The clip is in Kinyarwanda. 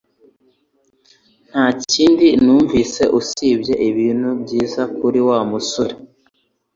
Nta kindi numvise usibye ibintu byiza kuri Wa musore